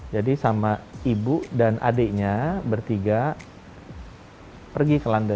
sama ibu dan adiknya bertiga pergi ke london